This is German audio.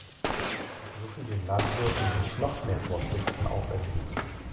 Sie dürfen den Landwirten nicht noch mehr Vorschriften auferlegen.